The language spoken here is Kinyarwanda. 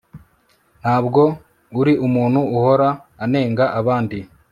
ntabwo ari umuntu uhora anenga abandi